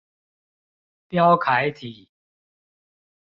標楷體